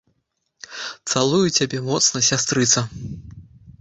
Цалую цябе моцна, сястрыца.